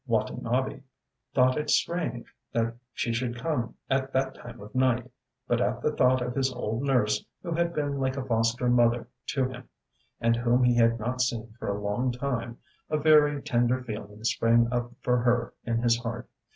Watanabe thought it strange that she should come at that time of night, but at the thought of his old nurse, who had been like a foster mother to him and whom he had not seen for a long time, a very tender feeling sprang up for her in his heart.